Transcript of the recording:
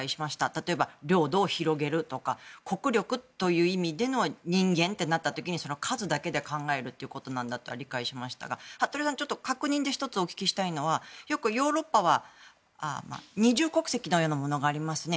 例えば領土を広げるとか国力という意味での人間ってなった時に数だけで考えるということだと理解しましたが服部さん確認でお聞きしたいのはよくヨーロッパは二重国籍のようなものがありますね。